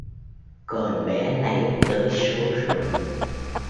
Còn bé này tới số rồi